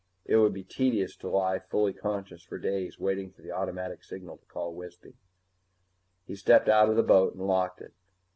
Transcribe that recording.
It would be tedious to lie fully conscious for days waiting for the automatic signal to call Wisby. He stepped out of the boat and locked it.